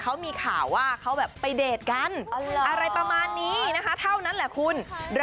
เขามีข่าวว่าเขาแบบไปเดทกันอะไรประมาณนี้นะคะเท่านั้นแหละคุณ